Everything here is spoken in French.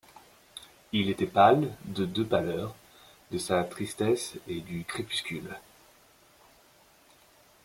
Il était pâle de deux pâleurs, de sa tristesse et du crépuscule.